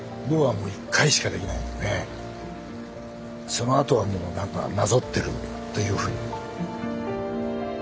そのあとはもう何かなぞってるというふうに。